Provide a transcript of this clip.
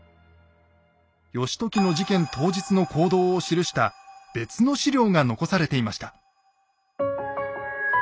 義時の事件当日の行動を記した別の史料が残されていました。